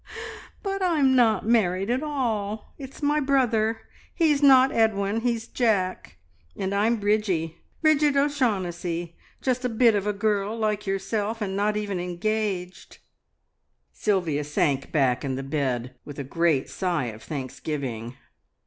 "But I'm not married at all! It's my brother. He is not Edwin, he is Jack, and I'm Bridgie Bridget O'Shaughnessy, just a bit of a girl like yourself, and not even engaged." Sylvia sank back in the bed with a great sigh of thanksgiving.